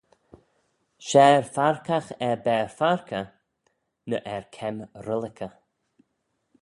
Share farkagh er baare faarkey ny er keim rullickey